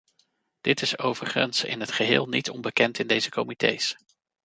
Dit is overigens in het geheel niet onbekend in deze comités.